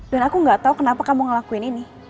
dan aku engga tau kenapa kamu ngelakuin ini